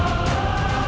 aku mau makan